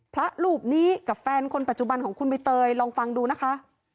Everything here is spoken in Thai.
พระรูปนี้กับแฟนคนปัจจุบันของคุณใบเตยลองฟังดูนะคะ